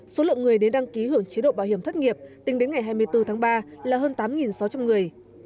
số lượng người đến đăng ký hưởng chế độ bảo hiểm thất nghiệp tính đến ngày hai mươi bốn tháng ba là hơn tám sáu trăm linh người